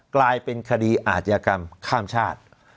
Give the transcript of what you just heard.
กลายเป็นคดีอาชญากรรมข้ามชาติ